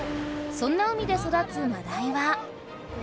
そんな海でそだつマダイは。